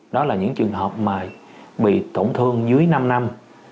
đó là những trường hợp mà bị tổn thương dưới năm năm